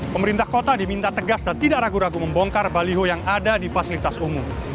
pemerintah kota diminta tegas dan tidak ragu ragu membongkar baliho yang ada di fasilitas umum